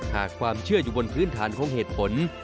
หากความเชื่ออยู่บนพื้นฐานของเหตุผล